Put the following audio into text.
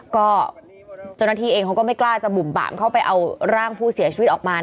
ก็เจ้าหน้าที่เองเขาก็ไม่กล้าจะบุ่มบามเข้าไปเอาร่างผู้เสียชีวิตออกมา